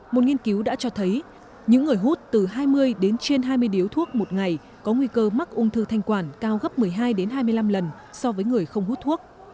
một nghiên cứu đã cho thấy những người hút từ hai mươi đến trên hai mươi điếu thuốc một ngày có nguy cơ mắc ung thư thanh quản cao gấp một mươi hai đến hai mươi năm lần so với người không hút thuốc